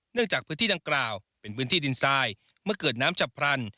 จากพื้นที่ดังกล่าวเป็นพื้นที่ดินทรายเมื่อเกิดน้ำฉับพลัน